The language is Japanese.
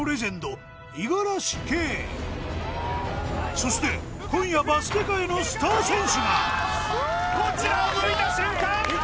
そして今夜バスケ界のスター選手がこちらを向いた瞬間